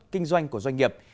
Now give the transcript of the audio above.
kinh doanh của doanh nghiệp